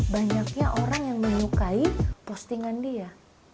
banyaknya orang yang menyukai postingan dia